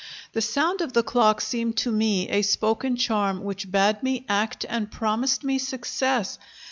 The sound of the clock seemed to me a spoken charm which bade me act and promised me success.